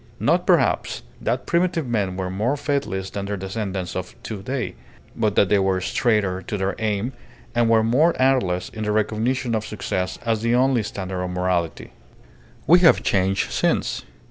Not perhaps that primitive men were more faithless than their descendants of to day, but that they went straighter to their aim, and were more artless in their recognition of success as the only standard of morality. We have changed since.